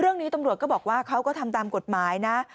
เรื่องนี้ตำรวจก็บอกว่าเขาก็ทำตามกฎหมายนะ